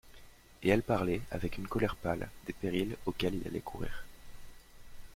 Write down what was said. Et elle parlait, avec une colère pâle, des périls auxquels il allait courir.